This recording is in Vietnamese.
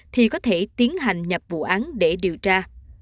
thì có thể tiến hành nhập vụ án để điều tra